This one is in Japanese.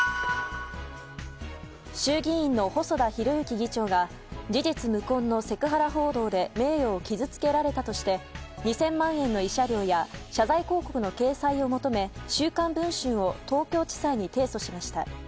衆議院の細田博之議長が事実無根のセクハラ報道で名誉を傷つけられたとして２０００万円の慰謝料や謝罪広告の掲載を求め「週刊文春」を東京地裁に提訴しました。